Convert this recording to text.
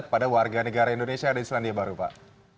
kepada warga negara indonesia yang ada di selandia baru pak